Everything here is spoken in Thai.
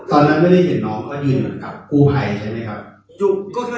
ตอนนั้นไม่ได้เห็นน้องเขายืนเหมือนกับกู้ภัยใช่ไหมครับ